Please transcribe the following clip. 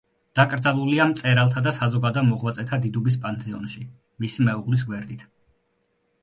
დაკრძალულია მწერალთა და საზოგადო მოღვაწეთა დიდუბის პანთეონში, მისი მეუღლის გვერდით.